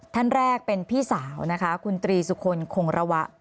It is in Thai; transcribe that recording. ท่านแรกเป็นพี่สาวนะคะคุณตรีสุคลคงระวะ